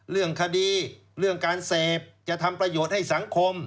เรื่องคดีเรื่องการเสพจะทำประโยชน์ให้สังคม